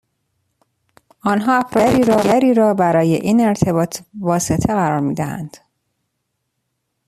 آنها افراد دیگری را برای این ارتباط واسطه قرار می دهند.